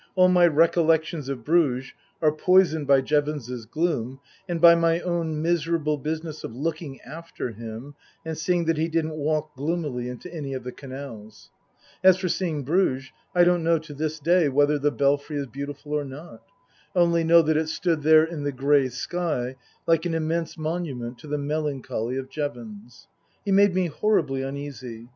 All my recollections of Bruges are poisoned by Jevons's gloom and by my own miserable business of looking after him and seeing that he didn't walk gloomily into any of the canals. As for seeing Bruges, I don't know to this day whether the Belfry is beautiful or not. I only know that it stood there in the grey sky like an immense monument to the melancholy of Jevons. He made me horribly uneasy.